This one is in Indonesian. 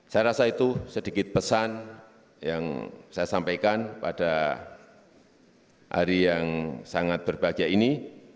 saya rasa itu sedikit pesan yang saya sampaikan pada hari yang sangat berbahagia ini